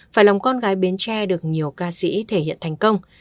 phải lòng con gái bến tre được nhiều ca sĩ thể hiện thành công